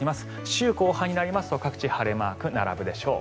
週後半になりますと各地晴れマークが並ぶでしょう。